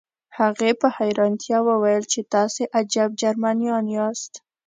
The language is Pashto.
هغې په حیرانتیا وویل چې تاسې عجب جرمنان یاست